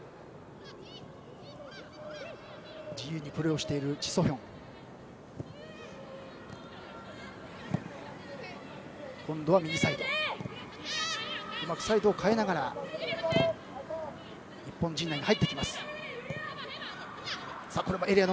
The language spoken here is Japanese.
うまくサイドを変えながら日本陣内に入ってきます。